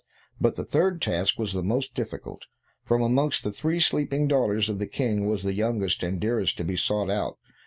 But the third task was the most difficult; from amongst the three sleeping daughters of the King was the youngest and dearest to be sought out.